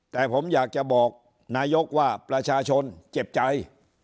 แต่ผมอยากจะบอกนายกว่าประชาชนเจ็บใจ